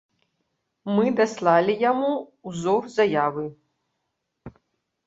Мы даслалі яму ўзор заявы.